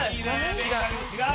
違う！